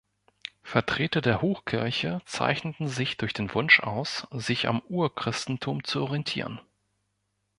Vertreter der Hochkirche zeichneten sich durch den Wunsch aus, sich am Urchristentum zu orientieren.